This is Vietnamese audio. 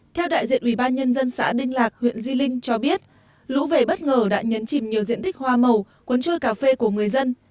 theo đại diện ubnd xã đinh lạc huyện di linh cho biết lũ vể bất ngờ đã nhấn chìm nhiều diện tích hoa màu quấn chơi cà phê của người dân